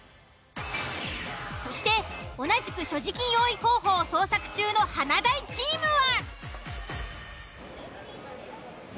そして同じく所持金多い候補を捜索中の華大チームは。